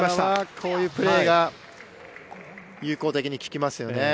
こういうプレーが有効的に効きますよね。